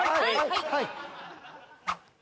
はい！